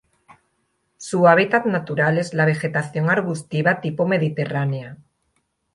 Su hábitat natural es la vegetación arbustiva tipo mediterránea.